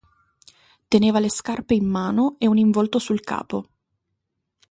Teneva le scarpe in mano e un involto sul capo.